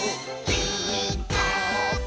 「ピーカーブ！」